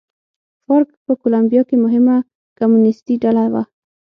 فارک په کولمبیا کې مهمه کمونېستي ډله وه.